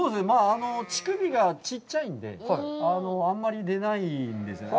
乳首がちっちゃいので、あんまり出ないんですね。